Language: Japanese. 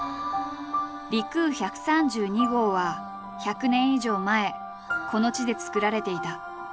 陸羽１３２号は１００年以上前この地で作られていた。